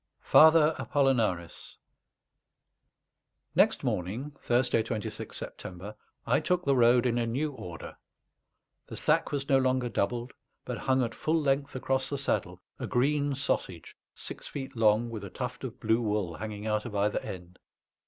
FATHER APOLLONARIS Next morning (Thursday, 26th September) I took the road in a new order. The sack was no longer doubled, but hung at full length across the saddle, a green sausage six feet long with a tuft of blue wool hanging out of either end.